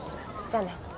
じゃあね。